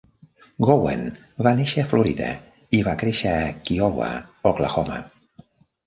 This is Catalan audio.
Gowen va néixer a Florida i va créixer a Kiowa, Oklahoma.